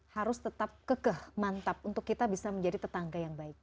harus tetap kekeh mantap untuk kita bisa menjadi tetangga yang baik